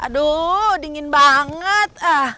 aduh dingin banget